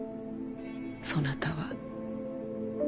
そなたは。